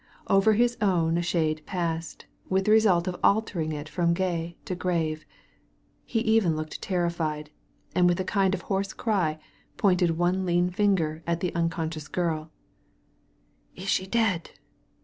Over his own a shade passed, with the result of altering it from gay to grave. He even looked terrified, and with a kind of hoarse cry, pointed one lean finger at the unconscious girl '< Is she dead